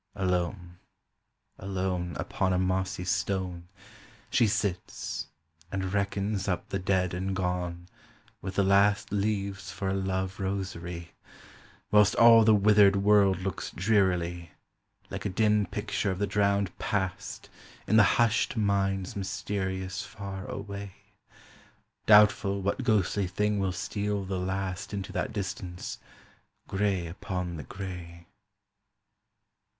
Alone, alone, Upon a mossy stone, She sits and reckons up the dead and gone, With the last leaves for a love rosary; Whilst all the wither'd world looks drearily, Like a dim picture of the drownëd past In the hush'd mind's mysterious far away, Doubtful what ghostly thing will steal the last Into that distance, gray upon the gray.